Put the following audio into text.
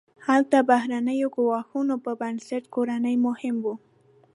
هلته بهرنیو ګواښونو په نسبت کورني مهم وو.